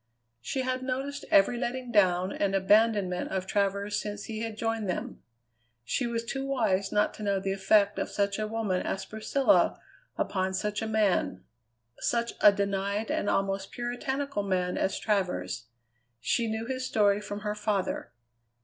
She had noticed every letting down and abandonment of Travers since he had joined them. She was too wise not to know the effect of such a woman as Priscilla upon such a man; such a denied and almost puritanical man as Travers. She knew his story from her father.